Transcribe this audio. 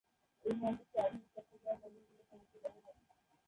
এ বন্দরকে আধুনিক চট্টগ্রাম বন্দর বলে শনাক্ত করা হয়।